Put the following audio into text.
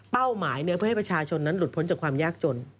หมายเพื่อให้ประชาชนนั้นหลุดพ้นจากความยากจน